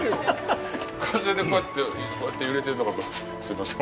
風でこうやって、こうやって揺れてるのかと思いました。